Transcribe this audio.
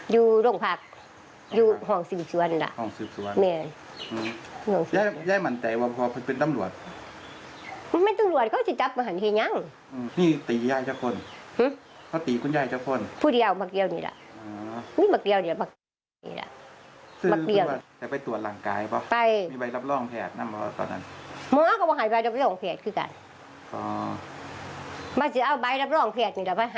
อยู่โรงพักษณ์อยู่ห้องสืบสวรรค์